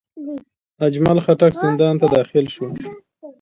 اجمل خټک زندان ته داخل شو.